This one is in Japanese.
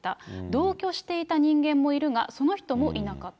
同居していた人間もいるが、その人もいなかった。